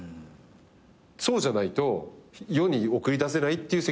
そうじゃないと世に送り出せないっていう責任感でやってる。